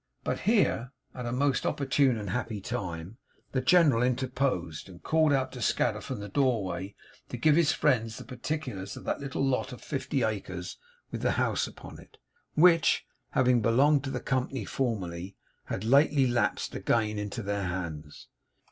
But here, at a most opportune and happy time, the General interposed, and called out to Scadder from the doorway to give his friends the particulars of that little lot of fifty acres with the house upon it; which, having belonged to the company formerly, had lately lapsed again into their hands.